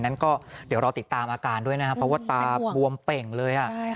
นั้นก็เดี๋ยวรอติดตามอาการด้วยนะครับเพราะว่าตาบวมเป่งเลย